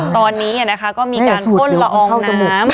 ตอนนี้ก็มีการพ่นละอองน้ำ